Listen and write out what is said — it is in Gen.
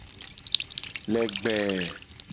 Legbee.